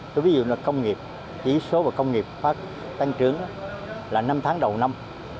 ví dụ là công nghiệp chỉ số công nghiệp phát tăng trưởng là năm tháng đầu năm